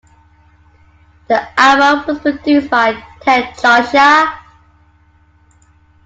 The album was produced by Tedd Josiah.